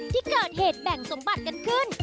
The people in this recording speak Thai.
ที่เกิดเหตุแบ่งสมบัติกันขึ้น